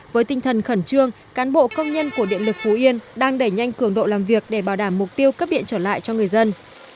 với tinh thần khẩn trương cán bộ công nhân của điện lực phú yên đang đẩy nhanh cường độ làm việc để bảo đảm mục tiêu cấp điện trở lại cho người dân